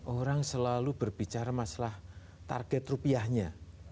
orang selalu berbicara masalah target rupiahnya